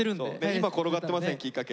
今転がってませんきっかけ。